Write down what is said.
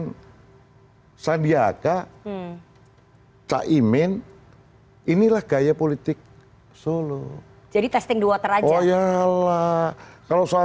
hai sandiaga cah imen inilah gaya politik solo jadi testing the water aja oh ya lah kalau soal